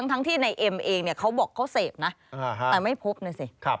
ทั้งที่ในเอ็มเองเขาบอกเขาเสพนะแต่ไม่พบนะสิ